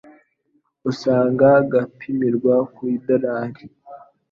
Usanga gapimirwa ku idolari